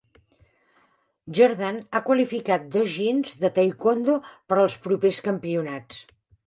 Jordan ha qualificat dos "jins" de taekwondo per als propers campionats.